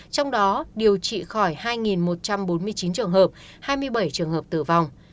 trong đó điều trị khỏi hai một trăm bốn mươi chín trường hợp hai mươi bảy trường hợp tử vong